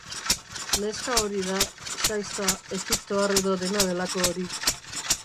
Neska hori da, Shaista, egiptoar edo dena delako hori.